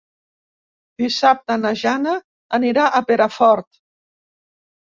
Dissabte na Jana anirà a Perafort.